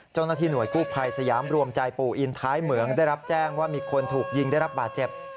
เจ้าหน้าที่หน่วยกู้ภัยสยามรวมใจปู่อินท้ายเหมืองได้รับแจ้งว่ามีคนถูกยิงได้รับบาดเจ็บ